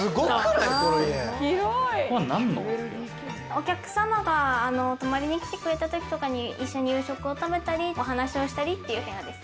お客様が泊まりに来てくれたときとかに、一緒に夕食を食べたり、お話をしたりという部屋です。